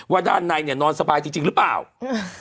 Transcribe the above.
ด้านในเนี้ยนอนสบายจริงจริงหรือเปล่าอืม